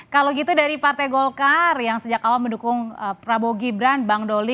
kalau gitu dari partai golkar yang sejak awal mendukung prabowo gibran bang doli